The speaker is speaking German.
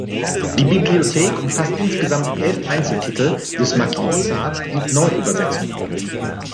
Die Bibliothek umfasst insgesamt elf Einzeltitel des Marquis de Sade in Neuübersetzungen.